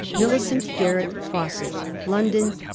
MILLICENT GARRETT FAWCETT. LONDON, 1889.